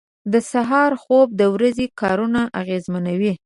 • د سهار خوب د ورځې کارونه اغېزمنوي.